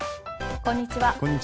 こんにちは。